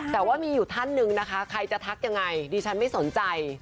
แต่ว่ามีอยู่ท่านหนึ่งนะคะใครจะทักยังไงดิฉันไม่สนใจ